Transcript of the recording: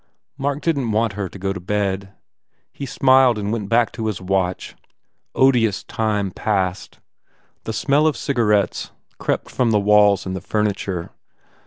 Mark didn t want her to go to bed. He smiled and went back to his watch. Odious time passed. The smell of cigarettes crept from the walls and the furniture.